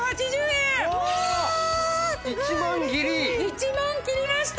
１万切りました！